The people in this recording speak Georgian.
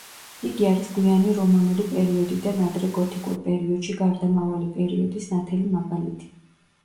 იგი არის გვიანი რომანული პერიოდიდან ადრე გოთიკურ პერიოდში გარდამავალი პერიოდის ნათელი მაგალითი.